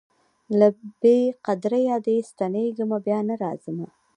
له بې قدریه دي ستنېږمه بیا نه راځمه